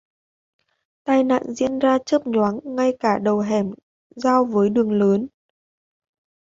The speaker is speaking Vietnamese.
Tai nạn diễn ra chớp nhoáng ngay ở đầu hẻm giao với đường lớn